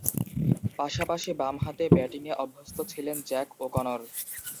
পাশাপাশি বামহাতে ব্যাটিংয়ে অভ্যস্ত ছিলেন জ্যাক ও’কনর।